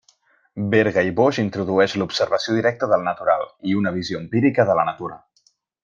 Berga i Boix introdueix l'observació directa del natural, i una visió empírica de la natura.